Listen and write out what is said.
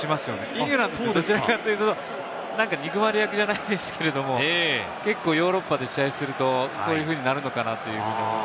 イングランドはどちらかというと憎まれ役じゃないですけれども、結構ヨーロッパで試合すると、そういうふうになるのかなという。